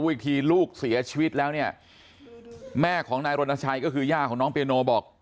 อีกทีลูกเสียชีวิตแล้วเนี่ยแม่ของนายรณชัยก็คือย่าของน้องเปียโนบอก